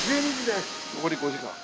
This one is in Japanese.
残り５時間。